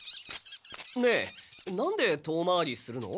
ねえなんで遠回りするの？